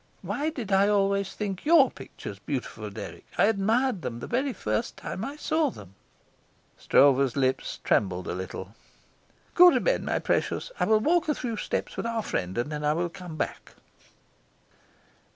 "Why did I always think your pictures beautiful, Dirk? I admired them the very first time I saw them." Stroeve's lips trembled a little. "Go to bed, my precious. I will walk a few steps with our friend, and then I will come back."